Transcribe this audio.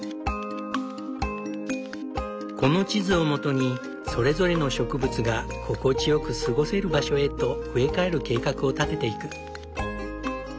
この地図をもとにそれぞれの植物が心地よく過ごせる場所へと植え替える計画を立てていく。